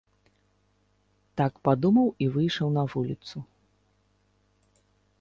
Так падумаў і выйшаў на вуліцу.